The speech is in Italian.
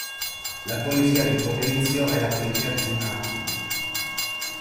La poesia di Prudenzio è la poesia del miracolo.